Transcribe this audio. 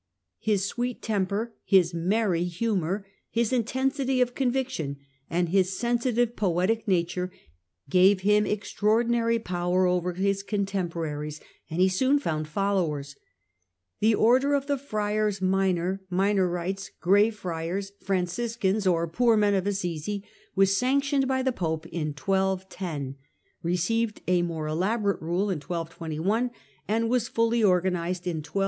His sweet temper, his merry humour, his intensity of conviction, and his sensitive poetic nature, gave him extraordinary power over his contemporaries, and he soon found followers. The Order of the Friars Minor, Minorites, Grey Friars, Franciscans or Poor Men of Assisi was sanctioned by the Pope in 1210, received a more elaborate rule in 1221, and was fully organized in 1223.